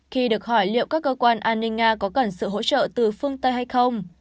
khi được hỏi liệu các cơ quan an ninh nga có cần sự hỗ trợ từ phương tây hay không